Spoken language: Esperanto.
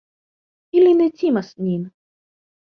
Ili ne timas nin.